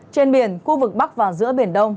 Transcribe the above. trên biển khu vực bắc và giữa biển đông